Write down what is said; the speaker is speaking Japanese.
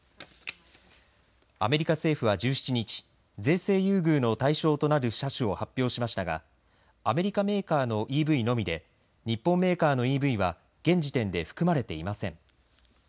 アメリカ政府は１７日税制優遇の対象となる車種を発表しましたがアメリカメーカーのＥＶのみで日本メーカーのＥＶは現時点で含まれていません。